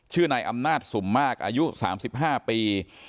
ชื่อในอำนาจสุมมากอายุ๓๕ปี